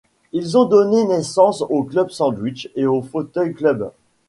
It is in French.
Ils ont donné naissance au club sandwich et au fauteuil club.